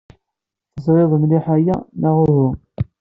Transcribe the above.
Teẓrid mliḥ aya, neɣ uhu?